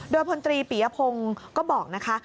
โดยพลตรีปียพงศ์ก็บอกนะคะ